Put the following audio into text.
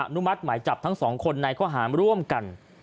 นุมัติหมายจับทั้งสองคนในข้อหารร่วมกัน